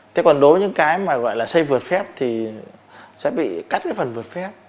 thế còn đối với những cái mà gọi là xây vượt phép thì sẽ bị cắt cái phần vượt phép